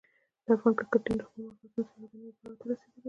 د افغان کرکټ ټیم د خپلو مهارتونو سره یوه نوې پړاو ته رسېدلی دی.